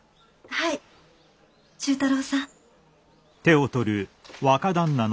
はい忠太郎さん。